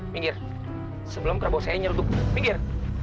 minggir sebelum kerbosanya nyerduk minggir